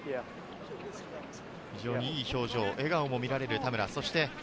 非常にいい表情、笑顔も見える田村。